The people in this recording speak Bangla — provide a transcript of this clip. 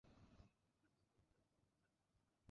তিনি খুব ভালো পরামর্শ দেন কিন্তু কোনো কিছুতে বাধা দেন না।